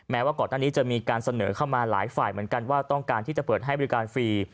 ว่าก่อนหน้านี้จะมีการเสนอเข้ามาหลายฝ่ายเหมือนกันว่าต้องการที่จะเปิดให้บริการฟรี